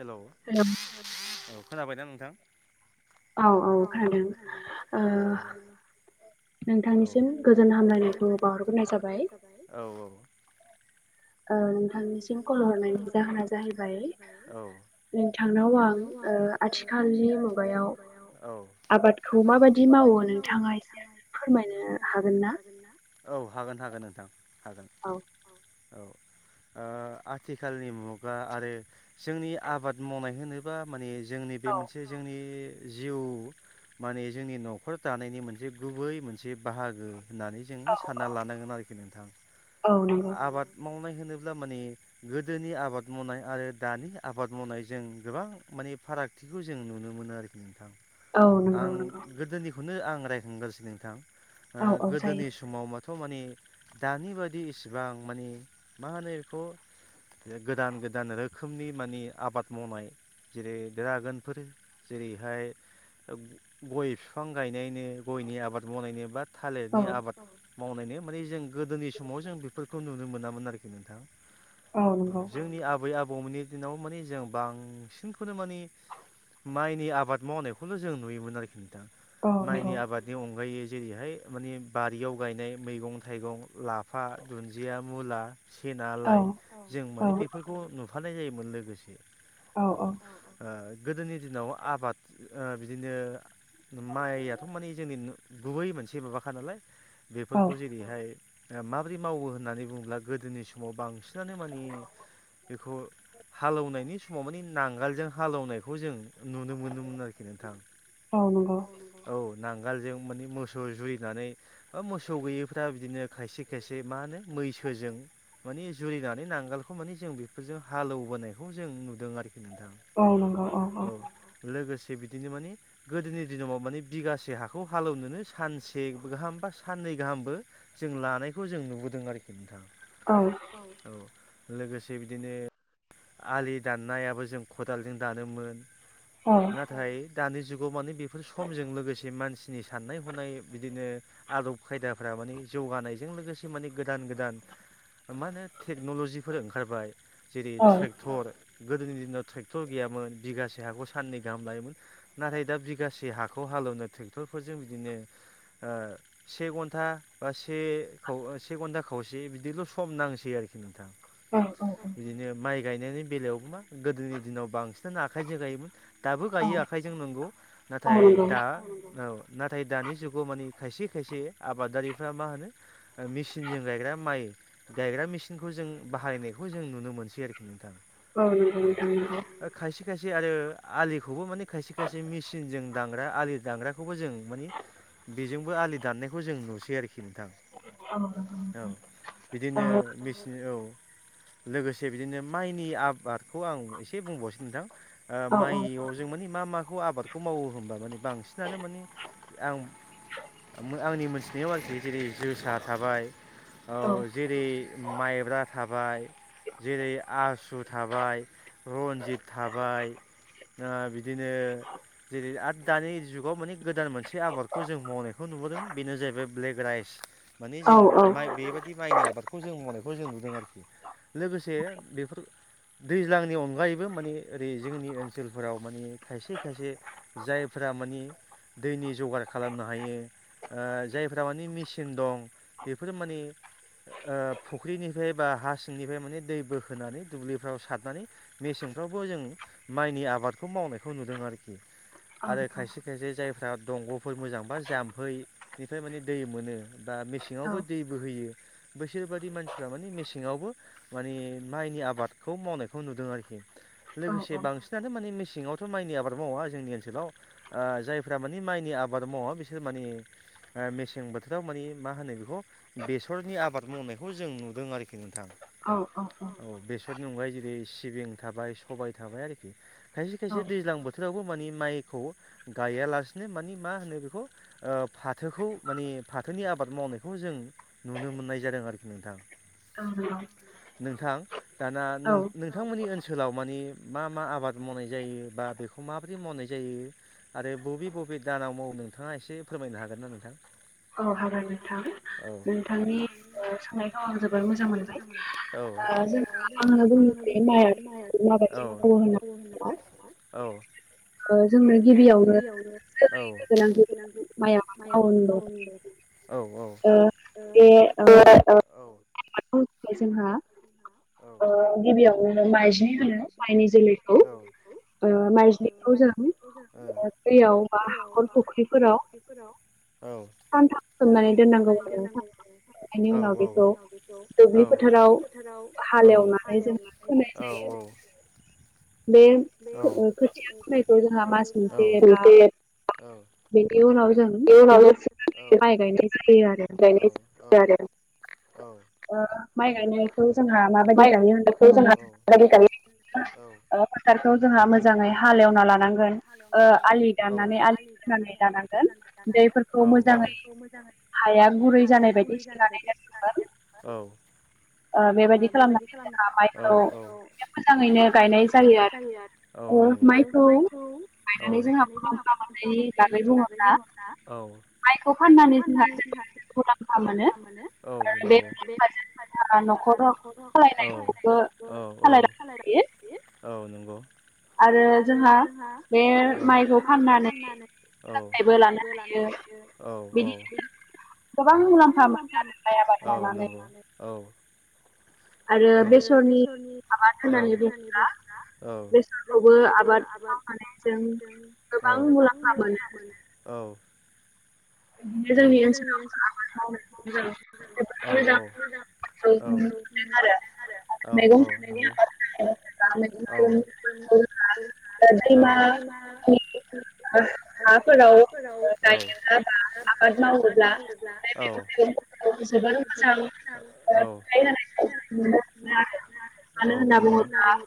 हेल' औ खोनाबायना नोंथां? औ औ। खोनादों ओ औ। नोंथांनिसिम गोजोनहामलायनायखौ जाबाय औ औ। ओ नोंथांथिनो कल हरनानै जाहोना जाहैबाय नोंथांनाव आं ओ आथिखालनि मुगायाव आबादखौ माबादि माव वो नोंथाङा एसे फोरमायनो हागोन ना? औ हागोन हागोन नोंथां हागोन। [inaudible] ओ आथिखालनि मुगा आरो जोंनि आबाद मावनाय होनोबा माने जोंनि बे मोनसे जोंनि जिउ माने जोंनि न'खर दानायनि मोनसे गुबै मोनसे बाहागो। होननानै जों सानना लानांगोन आरोखि नोंथां। आबाद मावनाय होन नोब्ला माने गोदोनि आबाद मावनाय आरो दानि आबाद मावनायजों गोबां माने फाराग बेफोरखौ जों नुनो मोनो आरोखि नोंथां। औ नंगौ नंगौ। बेखौनो आं रायखांगासनो नोंथां ओ गोदोनि समाव मा थ' माने दानि बायदि इसिबां माने मा होनो बेखौ? गोदान गोदान रोखोमनि मानिे आबाद मावनाय जेरै दोरागोनफोर जेरैहाय गय बिफां गायनायनि गयनि आबाद मावनायनि बा थालिरनि आबाद औ मावनायनो माने जों गोदोनि समाव जों बेफोरखौ नुनो मोनामोन आरोखि नोंथां ‌‌। जोंनि आबै आब बौनि दिनाव माने जों बांसिनखोनो माने माइनि आबाद मावनायखौल' जों नुयोमोन आरोखि नोंथां माइनि आबादनि अनगायै जेरैहाय माने बारियाव गायनाय मैगं थाइगं लाफा, दुन्दिया, मुला सेना लाइ जों माने बेफोरखौ नुफानाय जायोमोन लोगोसे। औ ओ गोदोनि दिनाव आबाद ओ बिदिनो माइयाथ' माने जोंनि न गुबै मोनसे माबाखा नालाय बेफोरखौ जेरैहाय ओ माबोरै मावो होननानै बुङोब्ला गोदोनि समाव बांसिनानो माने बेखौ हालेवनायनि समाव माने नांगोलजों हालौवनायखौ जों नुनो मोनोमोन आरोखि नोंथां औ नांगोलजों माने मोसौ जुरिनानै बा मोसौ गैयैफ्रा बिदिनो खायसे खायसे मा होनो मैस खोजों माने जुरिनानै नांगोलखौ माने जों बेफोरजों हालेवबोनायखौ जों नुदों आरो नोंथां औ औ नंगौ लोगोस से बिदिनो माने गोदोनि दिनाव माने बिगासे हाखौ हालेवनोनो सानसे गाहाम बा साननै गाहामबो जों लानायखौ जों नुबोदों आरोखि नोंथां औ औ लोगोसे बिदिनो आलि दाननायाबो जों खदालजों दानोमोन नाथाय दानि जुगाव माने बेफोर समजों लोगोसे मानसिनि साननाय ह हनाय बिदिनो आदब खायदाफ्रा माने जौगानायजों लोगोसे माने गोदान गोदान मा होनो टेक्नल'जिफोर ओंखारबाय जेरै ट्रेक्टर गोदोनि दिनाव ट्रेक्टर गैयामोन बिगासे हाखौ साननै गाहाम लायोमोन नाथाय दा बिगासे हाखौ हालेवनो ट्रेक्टरफोरजों बिदिनो ओ से घन्टा बा से से घन्टा खावसे बिदिल' सम नांसै आरोखि नोंथां बिदिनो माइ गायनायनि बेलायावबो मा गोदोनि दिनाव बांसिनानो आखाइजों गायोमोन दाबो गायो आखाइजों नंगौ नाथाय दा औ नाथाय दानि जुगाव माने खायसे खायसे आबादारिफ्रा मा होनो मेसिनजों गायग्रा माइ गायग्रा मेसिनखौ जों बाहायनायखौ जों नुनो मोनसै आरोखि नोंथां औ नंगौ नोंथां नंगौ खायसे खायसे आरो आलिखौबो माने खायसे खायसे मेसिनजों दानग्रा आलि दानग्राखौबो जों माने बेजोंबो आलि दाननायखौ जों नुसै आरोखि नोंथां औ बिदिनो मेसिन औ लोगोसे बिदिनो माइनि आबादखौ आं एसे बुंबावसै नोंथां माइयाव जों माने मा माखौ आबादखौ मावो होनोमबा माने बांसिनानो माने आं आंनि मोनथिनायाव आरोखि जेरै जोसा थाबाय औ जेरै माइब्रा थाबाय जेरै आसु थाबाय रनजित थाबाय ओ बिदिनो जेरै आरो दानि जुगाव माने गोदान मोन मोनसे आबादखौ जों मावनायखौ नुबोदों बेनो जाहैबाय ब्लेक राइस माने जों माइ बेबायदि माइनि आबाद खौ जों मावनायखौ जों नुदों आरोखि लोगोसे बेफोर दैज्लांनि अनगायैबो माने ओरै जोंनि ओनसोलफोराव माने खायसे खायसे जायफो रा माने दैनि जगार खालामनो हायो ओ जायफोरा माने मेसिन दं बेफोरो माने ओ फुख्रिनिफ्राय बा हा सिंनिफ्राय माने दै बोखोनानै दुब्लिफ्राव सारनानै मेसें फ्रावबो जों मायनि आबखौ मावनायखौ नुदों आरोखि आरो खायसे खायसे जाय फ्रा दंग'फोर मोजां बा जाम्फैनिफ्राय माने दै मोनो बा मेसेङावबो दै बोहोयो बैसोर बादि मानसिफ्रा माने मेसेङावबो माने माइनि आबादखौ मावनायखौ नुदों आरोखि लोगोसे बांसिनानो माने मेसेङावथ' माइनि आबाद मावा जोंनि ओनसोलाव ओ जाय फोरा माने माइनि आबाद मावा बिसोर माने ओ मेसें बोथोराव माने मा होनो बेखौ बेस सरनि आबाद मावनायखौ जों नुदों आरोखि नोंथां। औ औ औ। नुबाय जेरै सिबिं थाबाय सबाय थाबाय आरोखि खायसे खायसे दैजां बोथोरावबो मानि माइखौ बुहुद गायाला सिनो माने मा होनो बेखौ ओ फाथोखौ माने फाथोनि आबाद मावनायखौ जों नुनो नुनो मोननाय जादों आरोखि नोंथां। औ नोंगौ नोंथां दाना नोंथांमोननि ओनस सोलाव माने मा मा आबाद मावनाय जायो बा बेखौ माबोरै मावनाय जायो आरो बबे बबे दानाव मावो नोंथाङा एसे फोरमायनो हागोन ना नोंथां? औ हागोन नोंथां नोंथांनि ओ सोंनायखौ आं जोबोद मोजां मोनबाय। औ औ औ। ओ जोंनो गिबि आवनो। [unintelligible] औ औ औ। ओ जोंहा ओ गिबियावनो माइज्लि होनो माइनि जोलैखौ। ओ माइज्लिखौ जों ओ दैयाव बा हाखर फख्रिफोराव। औ सानथाम सोमनानै दोननांगौ नोंथां औ औ बेनि उनाव बेखौ औ। दुब्लि फोथाराव औ [unintelligible] बे ओ खोथिया फुनायखौ जोंहा मास मोनसे एबा बेनि उनाव जों बेखौ [inaudible] [unintelligible] ओ माइ गायनायव खौ जोंहा माबायदि गायो होननानै बुङोब्ला [inaudible] जानाय हालेवना लानांगोन ओ आलि दाननानै आलि खोनानै लानांगोन दैफोरखौ। औ-औ। हाया गुरै जानाय बायदि सोनानै दोननांगोन। औ। ओ बेबायदि खालामनानै माइखौ मोजाङैनो गायनाय जायो आरो औ नों [unintelligible] माइखौ फाननानै जोंहा जोबोद मुलाम्फा मोनो आरो बे मुलाम्फाजों [unintelligible] औ औ औ औ नंगौ। आरो जोंहा बे औ माइखौ फाननानै औ [unintelligible] बो लानो हायो। औ-औ। गोबां मुलाम्फा मोनो आरो माइ आबाद मावनानै। आरो बेसरनि औ-औ-औ। गोबां मुलाम्फा मोनो औ। [unintelligible] [unintelligible] [unintelligible] मा [unintelligible] आबाद मावोब्ला [inaudible] [unintelligible] औ नंगौ।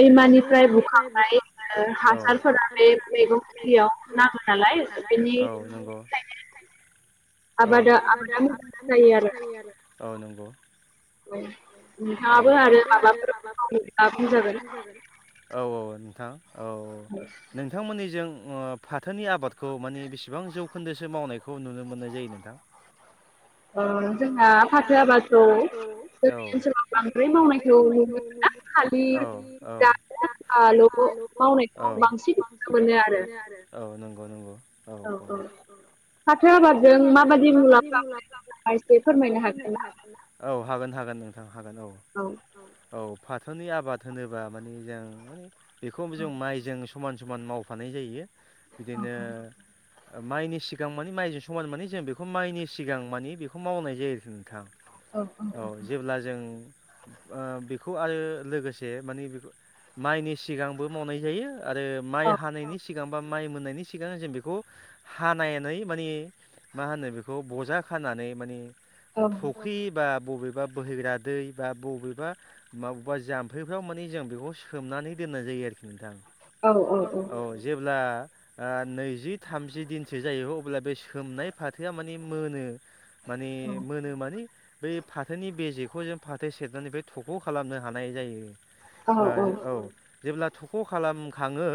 दैमानिफ्राय बुखांनाय ओ हासारफोरा बे मैगं थिलियाव नाङो नालाय। औ नों औ आबादा-आबादा बिदि जायो आरो औ नंगौ। औ नोंथाङाबो आरो माबाफोर मावोब्ला बुंजागोन औ औ नोंथां। औ नोंथांमोननिजों ओ फाथोनि आबादखौ माने बेसेबां जौखोन्दोसो मावनाय खौ नुनो मोननाय जायो नोंथां? ओ जोंहा फाथोआबादखौ। जोंनि ओनसोलाव बांद्राय मावनायखौ नुनो मोना खालि जाग्रा औ-औ नोंगौ-नोंगौ। औ औ फाथो आबादजों माबायदि मुलाम्फा [unintelligible] औ हागोन। हागोन औ-औ फाथोनि आबाद होनोबा माने जों माने बेखौबो जों माइजों समान समान मावफानाय जायो बिदिनो माइनि सिगां मानि माइजों समान माने जों बेखौ माइनि सिगां मानि बेखौ मावनाय जायो आरो नोंथां। औ ओ औ जेब्ला जों ओ बेखौ आरो लोगोसे माने बेखौ माइनि सिगांबो मावनाय जायो आरो माइ हानायनि स सिगां बा माइ मोननायनि सिगां जों बेखौ हानायनै माने मा होनो बेखौ बजा खानानै माने फुख्रि बा बबेबा बोहैग्रा दै बा बबेबा मावबा जाम्फैफ्राव माने जों बेखौ सोमनानै दो दोन्नाय जायो आरोखि नोंथां औ औ अ जेब्ला ओ नैजि थामजि दिनसो जायो अब्ला बे सोमनाय फाथोआ माने मोनो। माने मोनो माने बेफ नि बेजेखौ जों फाथो सेरनानैबो थख' खालामनो हानाय जायो। ओ औ औ औ जेब्ला थुख' खालाम खाङो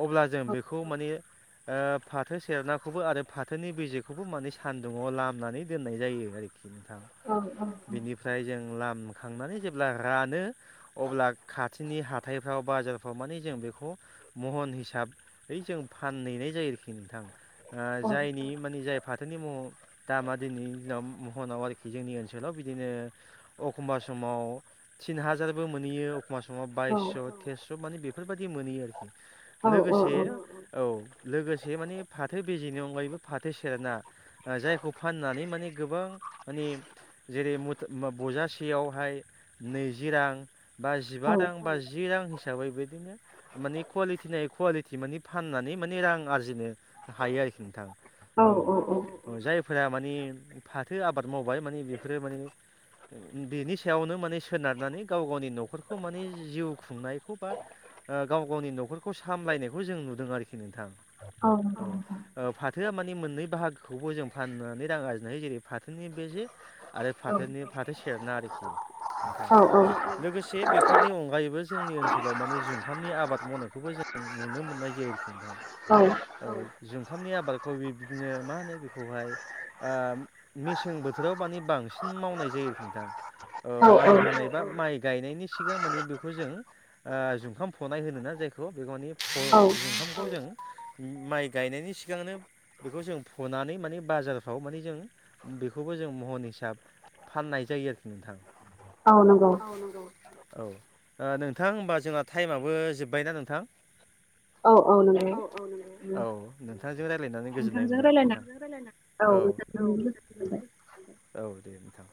अब्ला जों बेखौ माने ओ फाथो सेरनाखौबो आरो फाथोनि बेजेखौबो मानेस सान्दुङाव लामनानै दोननाय जायो आरोखि नोंथां अ बेनिफ्राय जों लाम खांनानै जेब्ला रानो अब्ला खाथिनि हाथायफ्राव बाजारफ्राव माने जों बेखौ महन हिसाबयै जों फानहैनाय जायो आरोखि थां ओ जायनि अ माने जाय फाथोनि मह दामा दिनैनि दिनाव महनाव आरोखि जोंनि ओनस सोलाव बिदिनो अखमबा समाव थिन हाजारबो मोनहैयो अखमबा समाव बाइसस' अ अ थेस' माने बेफोरबायदि मोनहैयो आरोखि लोगोसे औ लोगोसे माने फाथो बेजेनि अनगायैबो फाथो सेरना ओ जायखौ फाननानै माने गोबां माने जेरै मुथा मा बजासेयावहाय नैजि रां बा जिबा रां बा जि रां हिस साबै बिदिनो माने कुवालिटि नायै कुवालिटि माने फाननानै माने रां आरजिनो हायो आरो एस नोंथां औ औ ओ ओ जायफोरा माने फाथो आबाद मावबाय माने बेफोरो माने ओ बिनि सायावनो माने सोनारनानै गाव गावनि न'खरखौ माने जिउ खुंनायखौ बा ओ गाव गावनि न'खरखौ सामलायनायखौ जों नुदों आरोखि नोंथां। औ ओ फाथोआ माने मोननै बाहागोखौबो जों फाननानै रां आरजिनो हायो जेरै फाथ थोनि बेजे आरो फाथोनि औ फाथो सेरना आरोखि थां औ औ लोगोसे बेफोरनि अनगायैबो जोंनि ओनसोलाव माने जुखामनि आबाद मावनायखौबो जों नुनो नुनो मोननाय जायोआरिखि नोंथां औ जों जुखामनि आबादखौ बिब्दिनो मा होनो बेखौहाय ओ मेसें बोथ थोराव माने बांसिन मावनाय जायो आरोखि नोंथां ओ माइ हानायबा माइ गायनायनि सिगां माने बेखौ जों ओ जुखाम फनाय होनो ना जायखौ बेखौ माने फ जुखामखौ जों उम माइ गायनायनि सिगांनो बेखौ जों फनानै माने बाजारफ्राव माने जों बेख खौबो जों महन हिसाब फाननाय जायो आरोखि नोंथां औ औ नंगौ। औ ओ नोंथां होनबा जोंहा थाइमआबो जोब्बायना नोंथां? औ ओ नंगौ औ नोंथांजों रायलायनानै गोजोननाय मोनबाय नोंथां नोंथांजों रायलायना ओ अ नोंथांजोंबो गोजोन मोनबाय। औ दे नोंथां।